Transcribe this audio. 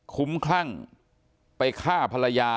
คุ้มคลั่งไปฆ่าภรรยา